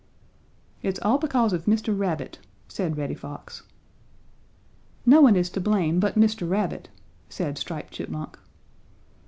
"'It's all because of Mr. Rabbit,' said Reddy Fox. "'No one is to blame but Mr. Rabbit,' said Striped Chipmunk.